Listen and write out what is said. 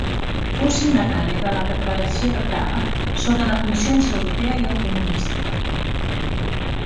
Fou signatària de la Declaració de Praga sobre la consciència europea i el comunisme.